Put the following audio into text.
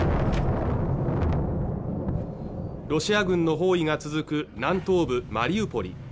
ロシア軍の包囲が続く南東部マリウポリ